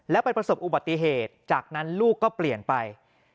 แล้วไปประสบอุบัติเหตุจากนั้นลูกก็เปลี่ยนไป